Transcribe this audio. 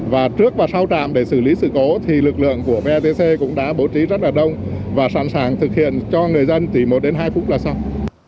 và trước và sau trạm để xử lý sự cố thì lực lượng của vetc cũng đã bố trí rất là đông và sẵn sàng thực hiện cho người dân chỉ một đến hai phút là sau